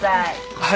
はい！